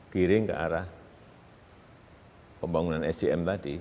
giring ke arah pembangunan sdm tadi